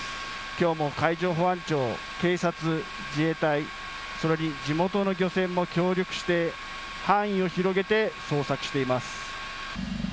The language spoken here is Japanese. きょうも海上保安庁、警察、自衛隊、それに地元の漁船も協力して、範囲を広げて捜索しています。